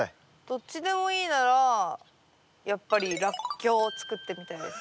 どっちでもいいならやっぱりラッキョウを作ってみたいです。